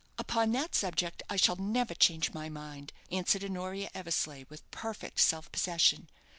"Upon that subject I shall never change my mind," answered Honoria Eversleigh, with perfect self possession.